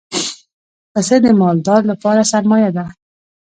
پسه د مالدار لپاره سرمایه ده.